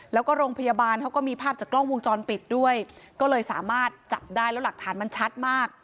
แล้วก็โรงพยาบาลเขาก็มีภาพจากกล้องวงจรปิดด้วยก็เลยสามารถจับได้แล้วหลักฐานมันชัดมาก